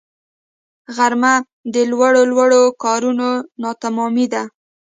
غرمه د لوړو لوړو کارونو ناتمامی ده